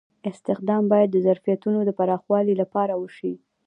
استخدام باید د ظرفیتونو د پراختیا لپاره وشي.